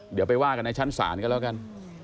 เดี๋ยวไปว่ากันในชั้นศาลกันแล้วกัน